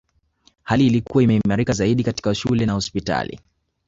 Hali ilikuwa imeimarika zaidi katika shule na hospitali